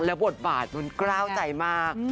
และบทบาทมันกล้าวใจมาก